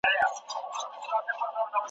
په مذهب د محبت یم